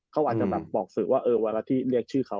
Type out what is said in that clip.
เขาอาจจะแบบบอกสื่อว่าเวลาที่เรียกชื่อเขา